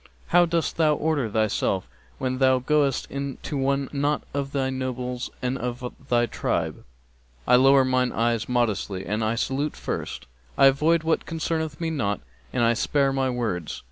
'How dost thou order thyself when thou goest in to one not of the nobles of thy tribe?' 'I lower mine eyes modestly and I salute first; I avoid what concerneth me not and I spare my words!'